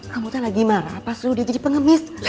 kamu tuh lagi marah pas lo udah jadi pengemis